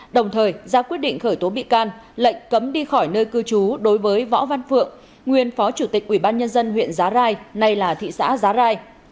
đồng thời giá quyết định khởi tố bị can lệnh cấm đi khỏi nơi cư trú đối với võ văn phượng nguyên phó chủ tịch ủy ban nhân dân huyện giá rai nay là thị xã giá rai